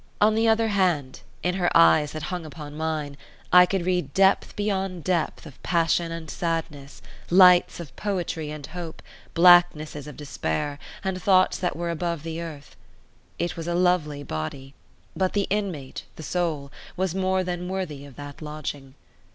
On the other hand, in her eyes that hung upon mine, I could read depth beyond depth of passion and sadness, lights of poetry and hope, blacknesses of despair, and thoughts that were above the earth. It was a lovely body, but the inmate, the soul, was more than worthy of that lodging.